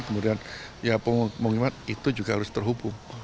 kemudian ya mengingat itu juga harus terhubung